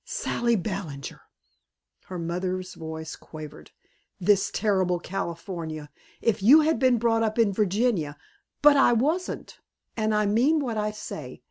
"Sally Ballinger!" Her mother's voice quavered. "This terrible California! If you had been brought up in Virginia " "But I wasn't. And I mean what I say.